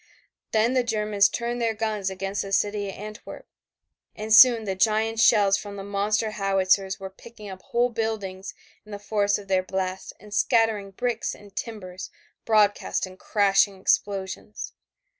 Then the Germans turned their guns against the city of Antwerp and soon the giant shells from the monster howitzers were picking up whole buildings in the force of their blast and scattering bricks and timbers broadcast in crashing explosions.